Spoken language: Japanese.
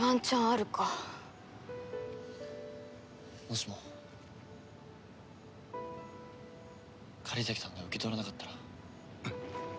もしも狩崎さんが受け取らなかったら？